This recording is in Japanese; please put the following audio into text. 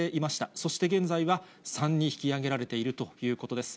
そして現在は３に引き上げられているということです。